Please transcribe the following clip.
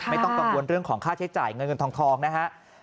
ไม่ต้องกังวลเรื่องของค่าใช้จ่ายเงินเงินทองนะฮะ